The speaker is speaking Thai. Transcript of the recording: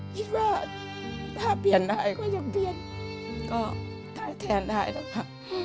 คิดว่าถ้าเปลี่ยนได้ก็จะเปลี่ยนก็แทนได้นะคะ